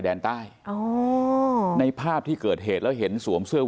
ดินใต้ในภาพที่เกิดเหตุแล้วเห็นศวมเสื้อวินจักรยานยนต์